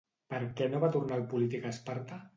Per què no va tornar el polític a Esparta?